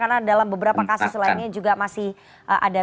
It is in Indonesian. karena dalam beberapa kasus lainnya juga masih ada